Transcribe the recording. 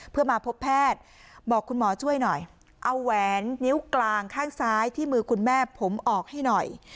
เพื่อมาพบแพทย์บอกคุณหมอช่วยหน่อยเอาแหวนนิ้วกลางข้างซ้ายที่มือคุณแม่ผมออกให้หน่อย